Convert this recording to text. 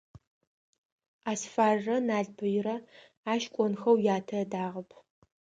Асфаррэ Налбыйрэ ащ кӀонхэу ятэ ыдагъэп.